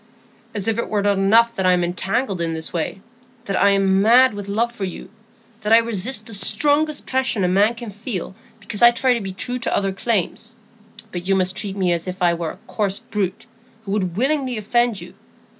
"As if it were not enough that I'm entangled in this way; that I'm mad with love for you; that I resist the strongest passion a man can feel, because I try to be true to other claims; but you must treat me as if I were a coarse brute, who would willingly offend you.